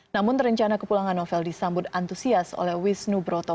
namun rencana kepulangan novel disambut antusias oleh wisnu broto